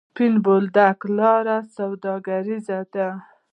سپین بولدک لاره سوداګریزه ده؟